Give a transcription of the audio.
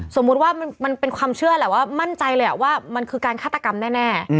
สมมุติว่ามันเป็นความเชื่อแหละว่ามั่นใจเลยว่ามันคือการฆาตกรรมแน่